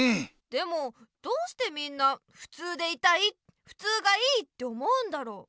でもどうしてみんなふつうでいたいふつうがいいって思うんだろう？